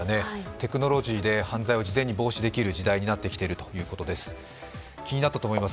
テクノロジーで犯罪を事前に防止できる時代になってきているということだと思います。